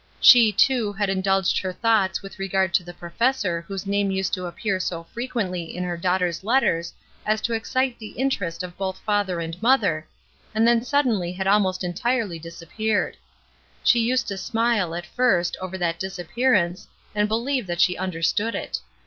She, too, had indulged her thoughts with regard to the professor whose name used to appear so frequently in her daughter's letters as to excite the interest of HOUSEHOLD QUESTIONINGS 303 both father and mother, and then suddenly had ahnost entirely disappeared. She used to smile, at first, over that disappearance, and believe that she understood it.